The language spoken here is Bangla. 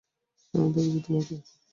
আমি ধরেছি তোমাকে।